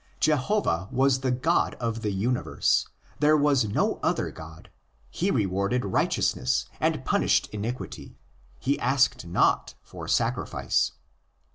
Jehovah was the God of the universe; there was no other god; he rewarded righteousness and punished iniquity; he asked not for sacrifice.